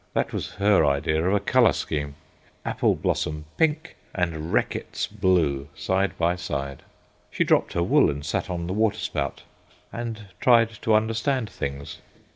That was her idea of a colour scheme: apple blossom pink and Reckitt's blue side by side. She dropped her wool and sat on the waterspout, and tried to understand things.